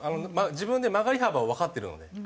自分で曲がり幅はわかってるので。